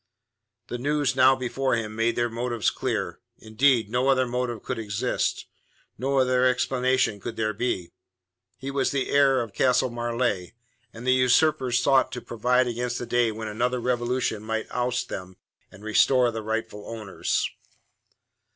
The news now before him made their motives clear; indeed, no other motive could exist, no other explanation could there be. He was the heir of Castle Marleigh, and the usurpers sought to provide against the day when another revolution might oust them and restore the rightful owners.